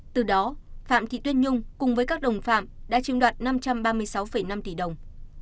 từ đó phạm thị tuyết nhung cùng với các đồng phạm đã chiếm đoạt năm trăm ba mươi sáu năm tỷ đồng